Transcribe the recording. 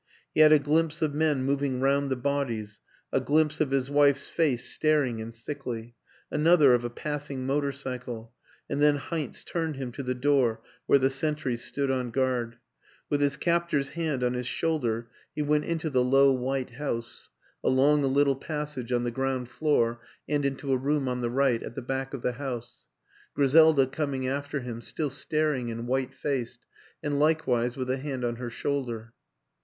He had a glimpse of men moving round the bodies, a glimpse of his wife's face staring and sickly, another of a passing motor cycle, and then Heinz turned him to the door where the sentries stood on guard. With his captor's hand on his shoulder he went into th WILLIAM AN ENGLISHMAN ill low white house, along a little passage on the ground floor and into a room on the right, at the back of the house; Griselda coming after him, still staring and white faced and likewise with a hand on her shoulder.